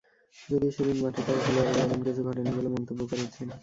যদিও সেদিন মাঠে থাকা খেলোয়াড়েরা এমন কিছু ঘটেনি বলে মন্তব্য করেছেন।